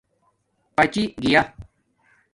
پچی گیݳ